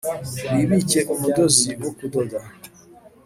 wibike umudozi wo kudoda),